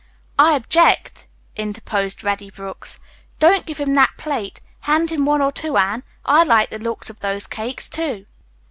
"I object," interposed Reddy Brooks. "Don't give him that plate. Hand him one or two, Anne. I like the looks of those cakes, too."